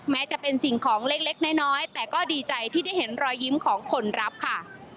แม้จะเป็นสิ่งของเล็กน้อยแต่ก็ดีใจที่ได้เห็นรอยยิ้มของคนรับค่ะ